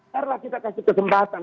karena kita kasih kesempatan